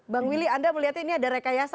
bang willy anda melihatnya ini ada rekayasa